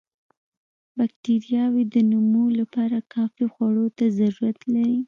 باکټریاوې د نمو لپاره کافي خوړو ته ضرورت لري.